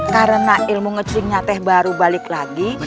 karena ilmu ngecelingnya baru balik lagi